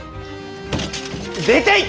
出ていけ！